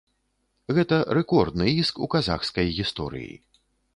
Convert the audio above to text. Гэта рэкордны іск у казахскай гісторыі.